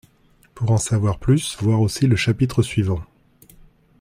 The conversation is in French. Pour en savoir plus, voir aussi le chapitre suivant.